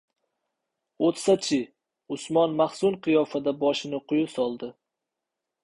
— Oo‘tsa-chi! — Usmon mahzun qiyofada boshini quyi soldi.